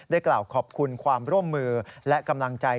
กล่าวขอบคุณความร่วมมือและกำลังใจ